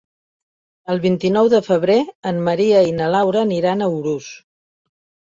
El vint-i-nou de febrer en Maria i na Laura aniran a Urús.